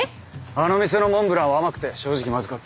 あの店のモンブランは甘くて正直まずかった。